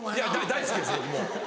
大好きです僕も。